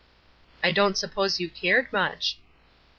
"I don't suppose you cared much."